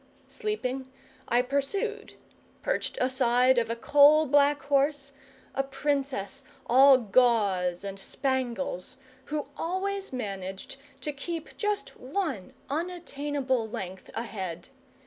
Sleeping, I pursued perched astride of a coal black horse a princess all gauze and spangles, who always managed to keep just one unattainable length ahead.